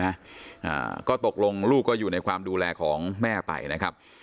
อ่าก็ตกลงลูกก็อยู่ในความดูแลของแม่ไปนะครับ